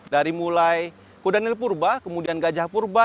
dari mulai kudanil purba kemudian gajah purba